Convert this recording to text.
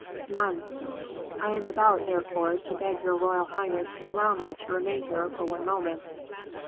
"None." "I am about, therefore, to beg your royal highness to allow me to remain here for one moment."